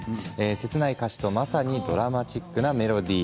切ない歌詞とまさにドラマチックなメロディー